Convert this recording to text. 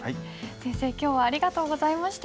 先生今日はありがとうございました。